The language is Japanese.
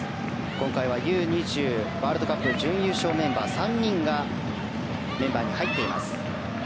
今回はＵ‐２０ワールドカップ準優勝メンバー３人がメンバーに入っています。